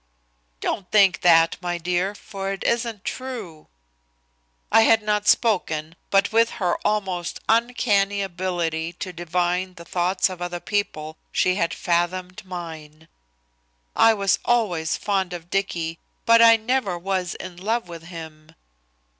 "Don't think that, my dear, for it isn't true." I had not spoken, but with her almost uncanny ability to divine the thoughts of other people she had fathomed mine. "I was always fond of Dicky, but I never was in love with him."